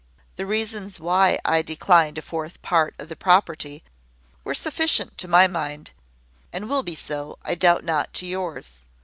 The reasons why I declined a fourth part of the property were sufficient to my mind, and will be so, I doubt not, to yours.